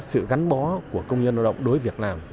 sự gắn bó của công nhân lao động đối với việt nam